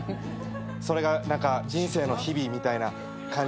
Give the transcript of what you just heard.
それが何か人生の日々みたいな感じで。